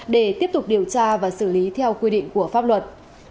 để tiếp tục điều tra và xử lý theo quy định của pháp luật